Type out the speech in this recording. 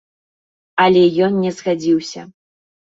Але ён не згадзіўся.